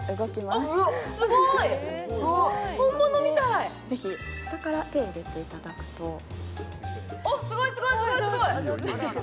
すごい本物みたいぜひ下から手入れていただくとおっすごいすごいすごいすごいすごい